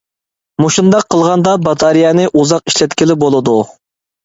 مۇشۇنداق قىلغاندا باتارېيەنى ئۇزاق ئىشلەتكىلى بولىدۇ.